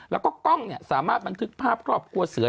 แล้วก็กล้องสามารถบันทึกภาพครอบครัวเสือ